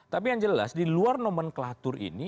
tapi yang jelas di luar nomenklatur ini